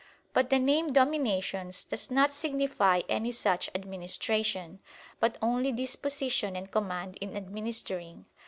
But the name "dominations" does not signify any such administration, but only disposition and command in administering.